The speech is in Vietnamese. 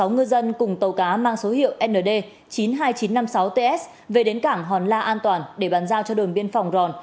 sáu ngư dân cùng tàu cá mang số hiệu nd chín mươi hai nghìn chín trăm năm mươi sáu ts về đến cảng hòn la an toàn để bàn giao cho đồn biên phòng ròn